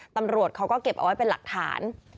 ตำรวจเขาก็เก็บเอาไว้เป็นหลักฐาน